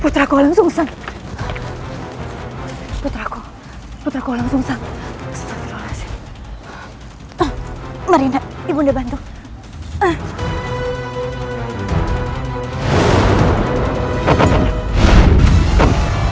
di langsung saja